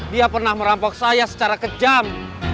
dia pernah merampok saya secara kejam